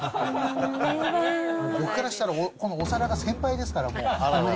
僕からしたらこのお皿が先輩ですから、もう。